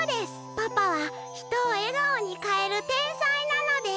パパはひとをえがおにかえるてんさいなのです。